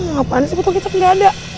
ngapain sih butuh kicap gak ada